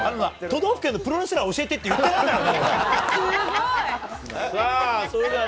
都道府県のプロレスラー教えてって言ってないから、俺は。